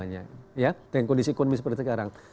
dengan kondisi ekonomi seperti sekarang